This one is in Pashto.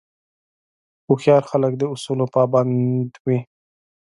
هوښیار خلک د اصولو پابند وي.